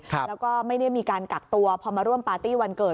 แล้วก็ไม่ได้มีการกักตัวพอมาร่วมปาร์ตี้วันเกิด